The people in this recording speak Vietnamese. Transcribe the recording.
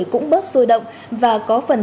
cũng bớt sôi động và có phần